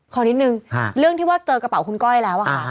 ขอนิดนึงเรื่องที่ว่าเจอกระเป๋าคุณก้อยแล้วอะค่ะ